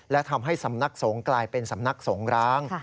และทำให้สำนักสงฆ์กลายเป็นสำนักสงร้าง